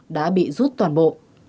đã bị rút toàn bộ